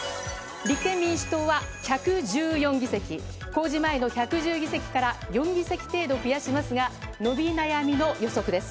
立憲民主党は１１４議席、公示前の１１０議席から４議席程度増やしますが、伸び悩みの予測です。